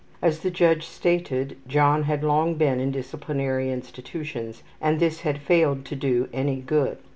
As the judge stated, John had long been in disciplinary institutions and this had failed to do any good.